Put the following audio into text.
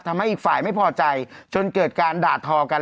ทำให้อีกฝ่ายไม่พอใจจนเกิดการหล่าเทากัน